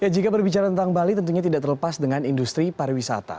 jika berbicara tentang bali tentunya tidak terlepas dengan industri pariwisata